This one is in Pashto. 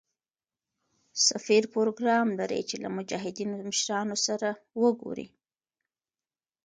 سفیر پروګرام لري چې له مجاهدینو مشرانو سره وګوري.